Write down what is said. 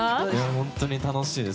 本当に楽しいです。